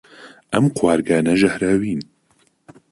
ئەم قوارگانە ژەهراوین.